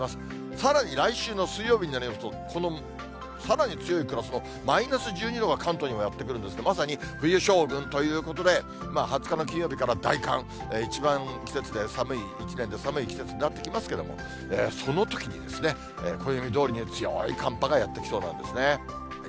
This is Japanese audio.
さらに来週の水曜日になりますと、この、さらに強いクラスのマイナス１２度が関東にはやって来るんですけど、まさに冬将軍ということで、２０日の金曜日から大寒、季節で寒い一年で寒い季節になってますけれども、そのときに暦どおりに強い寒波がやって来そうなんですね。